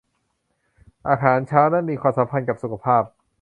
อาหารเช้านั้นมีความสำคัญกับสุขภาพ